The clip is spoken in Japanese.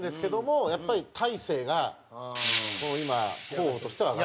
やっぱり大勢がもう今候補としては挙がってますね。